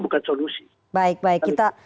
bukan solusi baik baik kita